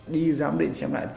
đi giám định xem lại